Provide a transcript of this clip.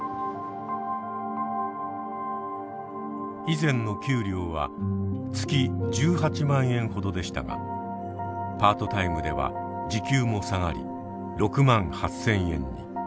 以前の給料は月１８万円ほどでしたがパートタイムでは時給も下がり６万８，０００円に。